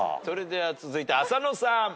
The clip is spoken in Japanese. それでは続いて浅野さん。